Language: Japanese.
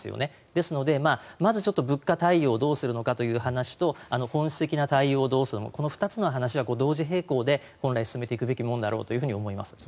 ですのでまずちょっと物価対応をどうするのかという話と本質の対応をどうするかこの２つの話は同時並行で本来進めていくべきものだろうと思います。